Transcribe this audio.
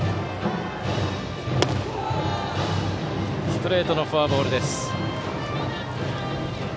ストレートのフォアボールです。